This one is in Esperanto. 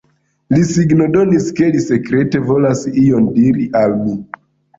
Li signodonis, ke li sekrete volas ion diri al mi.